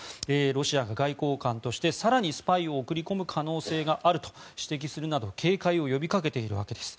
ロシアが外交官として更にスパイを送り込む可能性があると指摘するなど警戒を呼びかけているわけです。